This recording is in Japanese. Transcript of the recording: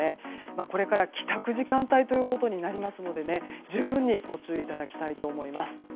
これから帰宅時間帯となりますので十分にご注意いただきたいと思います。